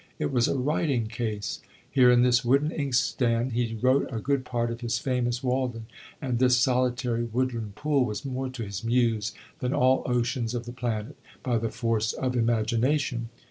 It was a writing case; here in this wooden inkstand he wrote a good part of his famous 'Walden,' and this solitary woodland pool was more to his Muse than all oceans of the planet, by the force of imagination.